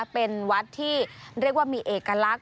เป็นวัดที่เรียกว่ามีเอกลักษณ